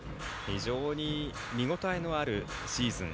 非常に見応えのあるシーズン